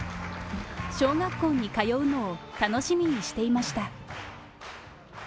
小学校に通うのを楽しみにしていました。